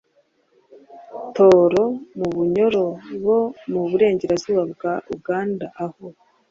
Tooro na Bunyoro bo mu Burengerazuba bwa Uganda aho